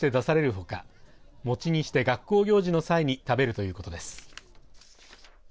ほかもちにして学校行事の際に食べるということです。